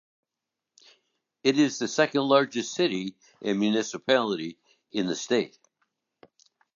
It is the second-largest city and municipality in the state.